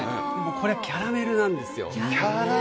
これはキャラメルなんですよ。